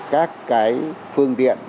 các cái phương tiện